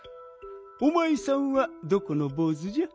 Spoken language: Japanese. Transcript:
おまいさんはどこのぼうずじゃ？